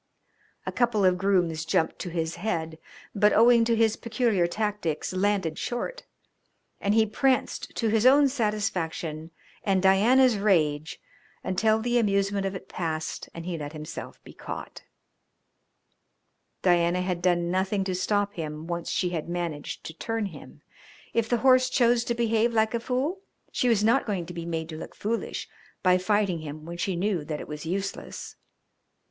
A couple of grooms jumped to his head, but, owing to his peculiar tactics, landed short, and he pranced to his own satisfaction and Diana's rage, until the amusement of it passed and he let himself be caught. Diana had done nothing to stop him once she had managed to turn him. If the horse chose to behave like a fool she was not going to be made to look foolish by fighting him when she knew that it was useless.